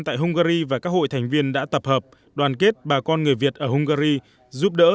tại hungary và các hội thành viên đã tập hợp đoàn kết bà con người việt ở hungary giúp đỡ